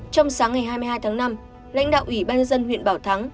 trong sáng ngày hai mươi hai tháng năm lãnh đạo ủy ban dân huyện bảo thắng